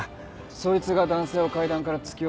そいつが男性を階段から突き落として。